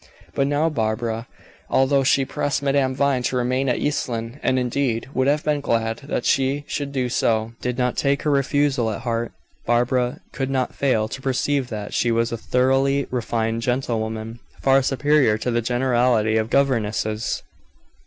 But now Barbara, although she pressed Madame Vine to remain at East Lynne, and indeed would have been glad that she should do so, did not take her refusal at heart. Barbara could not fail to perceive that she was a thoroughly refined gentlewoman, far superior to the generality of governesses.